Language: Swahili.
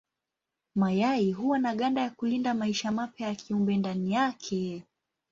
Mayai huwa na ganda ya kulinda maisha mapya ya kiumbe ndani yake.